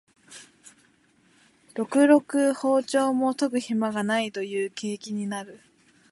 ろくろく庖丁も研ぐひまがないという景気になる